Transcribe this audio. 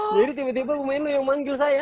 jadi tiba tiba bumen lu yang manggil saya